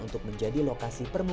untuk menjadi lokasi permukaan